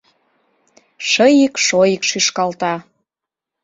Шыйик-шойик шӱшкалта